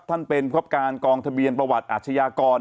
ท่านเป็นคับการกองทะเบียนประวัติอาชญากร